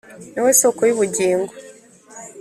Niwe soko y’ ubugingo.